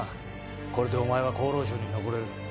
これでお前は厚労省に残れる